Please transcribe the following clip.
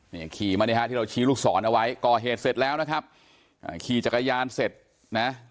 ขี่มาเนี่ยฮะที่เราชี้ลูกศรเอาไว้ก่อเหตุเสร็จแล้วนะครับอ่าขี่จักรยานเสร็จนะ